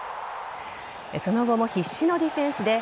その後も必死のディフェンスでＦＩＦＡ